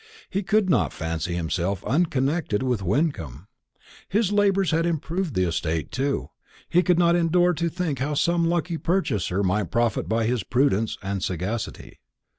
He could not fancy himself unconnected with Wyncomb. His labours had improved the estate too; and he could not endure to think how some lucky purchaser might profit by his prudence and sagacity.